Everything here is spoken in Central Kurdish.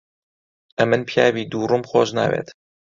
ئەمن پیاوی دووڕووم خۆش ناوێت.